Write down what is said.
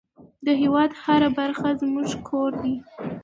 د هېواد هره برخه زموږ کور دی.